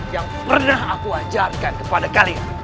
yang pernah aku ajarkan kepada kalian